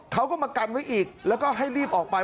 เขาก็มากันไว้อีกแล้วก็ให้รีบออกไป